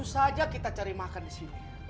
susah aja kita cari makan disini